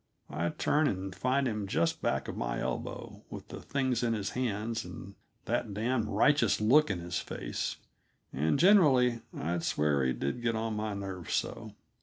I'd turn and find him just back of my elbow, with the things in his hands and that damned righteous look on his face, and generally I'd swear he did get on my nerves so.